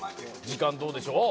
時間どうでしょう？